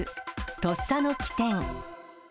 とっさの機転。